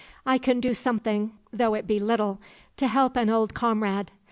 I can do something though it be little to help an old comrade.